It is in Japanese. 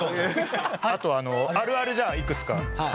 あとあるあるじゃあいくつか。